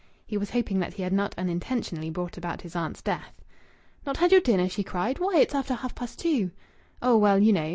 He was hoping that he had not unintentionally brought about his aunt's death. "Not had your dinner!" she cried. "Why! It's after half past two!" "Oh, well, you know